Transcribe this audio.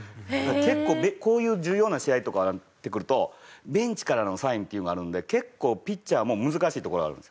結構こういう重要な試合とかになってくるとベンチからのサインっていうのがあるんで結構ピッチャーも難しいところあるんですよ。